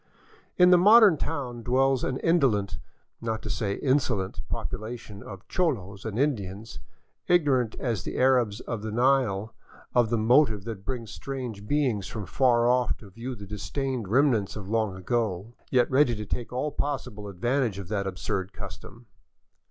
In the modern town dwells an indolent, not to say insolent, popula tion of cholos and Indians, ignorant as the Arabs of the Nile of the motive that brings strange beings from far off to view the disdained remnants of long ago, yet ready to take all possible advantage of that absurd custom.